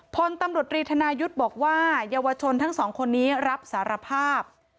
พลตำรวจรีธนายุทธ์บอกว่าเยาวชนทั้งสองคนนี้รับสารภาพ